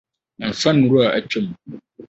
Ɛmfa nnuru a atwam.